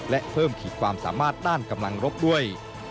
และเพิ่มขีดความสามารถด้านกำลังรบด้วย